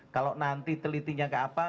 kalau nanti telitinya ke apa